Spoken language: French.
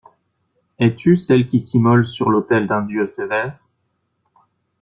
Es-tu celle qui s'immole sur l'autel d'un dieu sévère?